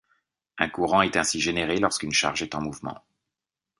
Un courant est ainsi généré lorsqu’une charge est en mouvement.